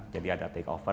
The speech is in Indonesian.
jadi ada takeover